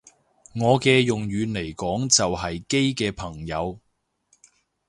我嘅用語嚟講就係基嘅朋友